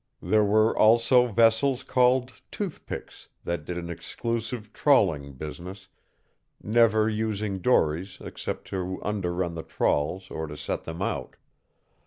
There were also vessels called "toothpicks" that did an exclusive trawling business, never using dories except to underrun the trawls or to set them out.